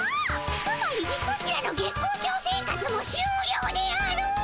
つまりソチらの月光町生活もしゅうりょうであろう。